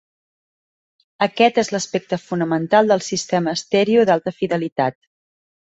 Aquest és l'aspecte fonamental del sistema estèreo d'alta fidelitat.